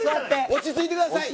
落ち着いてください。